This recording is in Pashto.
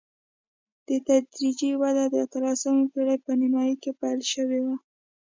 دا تدریجي وده د اتلسمې پېړۍ په نیمايي کې پیل شوه.